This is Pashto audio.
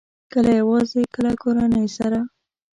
کله یوازې، کله کورنۍ سره